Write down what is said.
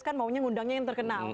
kan maunya ngundangnya yang terkenal